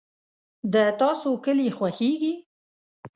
د تاسو کلي خوښیږي؟